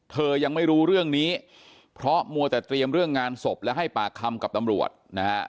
ยังไม่รู้เรื่องนี้เพราะมัวแต่เตรียมเรื่องงานศพและให้ปากคำกับตำรวจนะฮะ